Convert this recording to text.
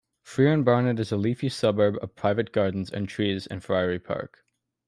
Friern Barnet is a leafy suburb of private gardens and trees and Friary Park.